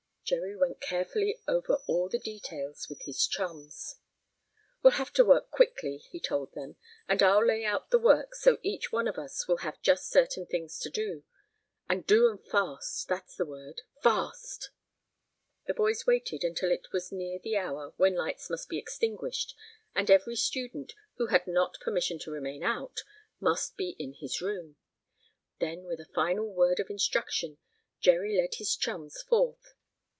Jerry went carefully over all the details with his chums. "We'll have to work quickly," he told them. "And I'll lay out the work so each one of us will have just certain things to do. And do 'em fast that's the word fast!" The boys waited until it was near the hour when lights must be extinguished and every student, who had not permission to remain out, must be in his room. Then, with a final word of instruction, Jerry led his chums forth.